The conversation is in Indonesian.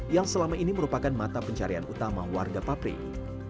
yang selama ini merupakan mata pencarian utama warga papri